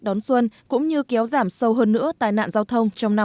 đón xuân cũng như kéo giảm sâu hơn nữa tai nạn giao thông trong năm hai nghìn hai mươi